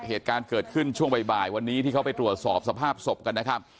เหตุการณ์เกิดขึ้นช่วงบ่ายวันนี้ที่เขาไปตรวจสอบสภาพศพกันนะครับ